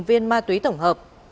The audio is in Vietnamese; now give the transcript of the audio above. hai viên ma túy tổng hợp